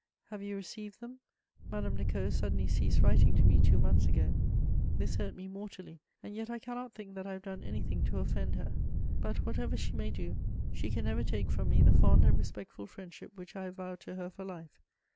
Have you received them? Madame de Caud suddenly ceased writing to me two months ago. This hurt me mortally, and yet I cannot think that I have done anything to offend her. But, whatever she may do, she can never take from me the fond and respectful friendship which I have vowed to her for life.